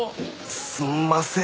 すんません